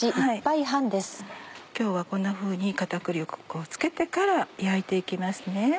今日はこんなふうに片栗粉を付けてから焼いて行きますね。